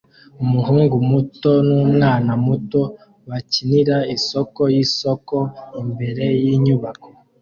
Umuhungu muto numwana muto bakinira isoko yisoko imbere yinyubako